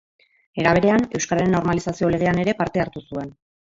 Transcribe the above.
Era berean, Euskararen Normalizazio Legean ere parte hartu zuen.